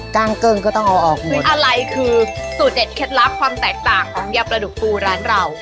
งเกิ้งก็ต้องเอาออกคืออะไรคือสูตรเด็ดเคล็ดลับความแตกต่างของยาปลาดุกปูร้านเรา